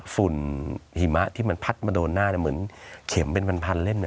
ฝุ่นหิมะที่มันพัดมาโดนหน้าเหมือนเข็มเป็นพันเล่ม